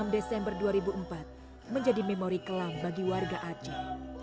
enam desember dua ribu empat menjadi memori kelam bagi warga aceh